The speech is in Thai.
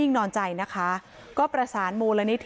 ทางโรงพยาบาลได้ขอโทษทางญาติของผู้เสียชีวิต